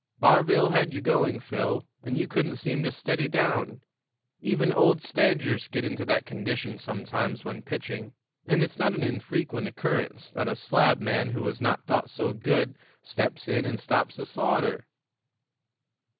Barville had you going, Phil, and you couldn't seem to steady down. Even old stagers get into that condition sometimes when pitching, and it's not an infrequent occurrence that a slabman who is not thought so good steps in and stops the slaughter."